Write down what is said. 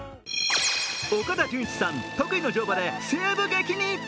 岡田准一さん、得意の乗馬で西部劇に。